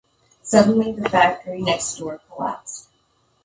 Suddenly the factory next door collapsed.